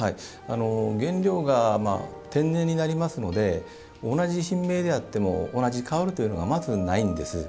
原料が天然になりますので同じ品名であっても同じ香りというのがまずないんです。